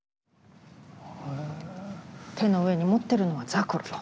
手の上に持ってるのはザクロと。